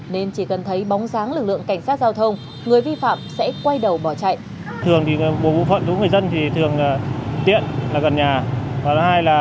nên chỉ cần thấy bóng dáng lực lượng cảnh sát giao thông người vi phạm sẽ quay đầu bỏ chạy